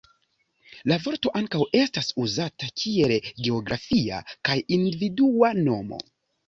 La vorto ankaŭ estas uzata kiel geografia kaj individua nomo.